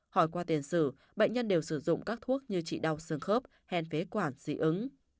hỏi qua tiền sử bệnh nhân đều sử dụng các thuốc như trị đau sương khớp hèn phế quản di ứng